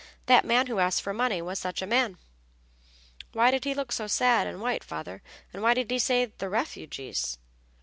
That man who asked for money was such a man." "But why did he look so sad and white, father, and why did he say the refugees?"